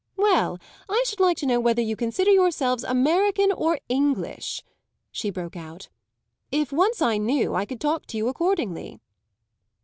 "Well, I should like to know whether you consider yourselves American or English," she broke out. "If once I knew I could talk to you accordingly."